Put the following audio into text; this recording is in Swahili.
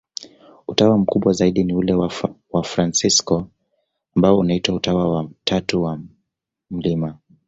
Utawa mkubwa zaidi ni ule wa Wafransisko, ambao unaitwa Utawa wa Tatu wa Mt.